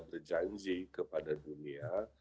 berjanji kepada dunia